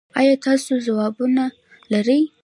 ایا تاسو ځوابونه لرئ؟